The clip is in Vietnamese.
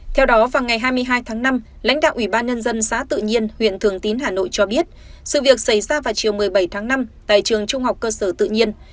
theo đó vào ngày hai mươi hai tháng năm lãnh đạo ủy ban nhân dân xã tự nhiên huyện thường tín hà nội cho biết sự việc xảy ra vào chiều một mươi bảy tháng năm tại trường trung học cơ sở tự nhiên